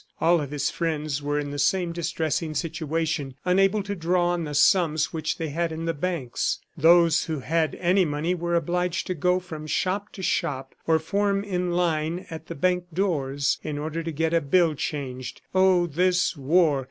All of his friends were in the same distressing situation, unable to draw on the sums which they had in the banks. Those who had any money were obliged to go from shop to shop, or form in line at the bank doors, in order to get a bill changed. Oh, this war!